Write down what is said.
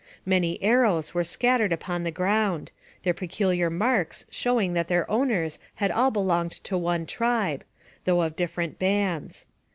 Many arrows were scattered upon the ground, their peculiar marks showing that their owners had all belonged to one tribe, though of different bands.